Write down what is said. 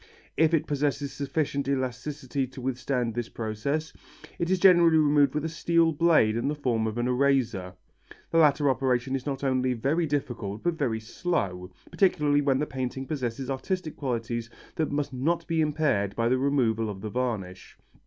If it possesses sufficient elasticity to withstand this process, it is generally removed with a steel blade in the form of an eraser. The latter operation is not only very difficult but very slow, particularly when the painting possesses artistic qualities that must not be impaired by the removal of the varnish.